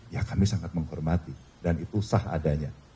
ya kami sangat menghormati dan itu sah adanya